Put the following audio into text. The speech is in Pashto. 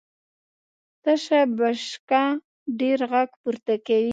تشه بشکه ډېر غږ پورته کوي .